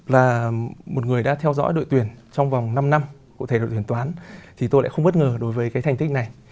và một người đã theo dõi đội tuyển trong vòng năm năm của thầy đội tuyển toán thì tôi lại không bất ngờ đối với cái thành tích này